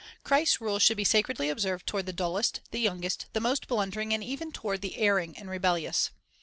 Christ's rule should be sacredly observed toward the dullest, the youngest, the most blundering, and even toward the erring and rebellious.